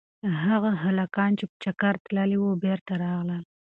هغه هلکان چې په چکر تللي وو بېرته راغلل.